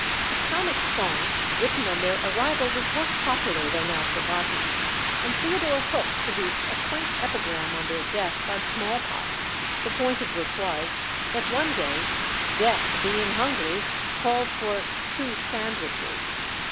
A comic song written on their arrival was once popular, though now forgotten; and Theodore Hook produced a quaint epigram on their death by small pox, the point of which was, that one day Death, being hungry, called for "two Sandwiches."